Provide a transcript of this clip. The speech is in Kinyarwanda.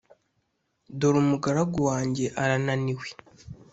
dore umugaragu wanjye arananiwe.